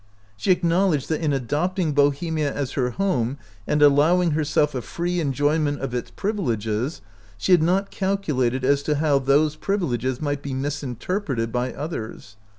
She acknowledged that in adopting Bohemia as her home and allowing herself a free enjoyment of its privileges she had not calculated as to how those privileges might be misinterpreted by others.